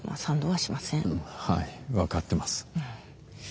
はい分かってます。